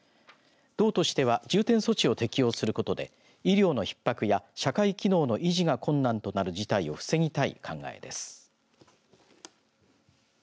道としては重点措置を適用することで医療のひっ迫や社会機能の維持が困難となる事態を防ぎたい考えです。